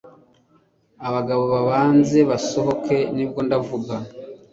abagabo bababanze basohoke nibwo ndavuga